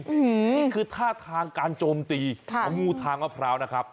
นี่คือท่าทางการโจมตีของงูทางมะพร้าวนะครับ